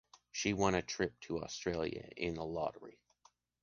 She won a trip to Australia in a lottery.